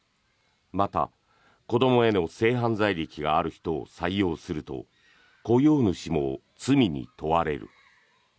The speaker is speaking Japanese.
また、子どもへの性犯罪歴がある人を採用すると雇用主も罪に問われる。